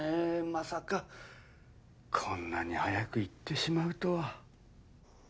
まさかこんなに早く逝ってしまうとは。